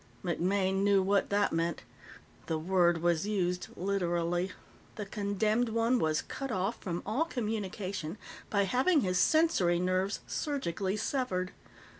MacMaine knew what that meant. The word was used literally; the condemned one was cut off from all communication by having his sensory nerves surgically severed.